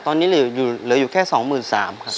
ตอนนี้เหลืออยู่แค่สองหมื่นสามครับ